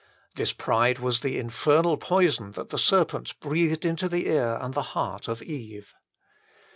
This pride was the infernal poison that the serpent breathed into the ear and the heart of Eve.